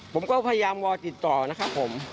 ผมก็พยายามวอลติดต่อนะครับผม